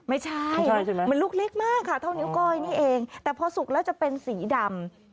ไม่ใช่ใช่ไหมมันลูกเล็กมากค่ะเท่านิ้วก้อยนี่เองแต่พอสุกแล้วจะเป็นสีดำ